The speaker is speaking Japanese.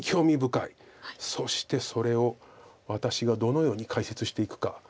そしてそれを私がどのように解説していくか。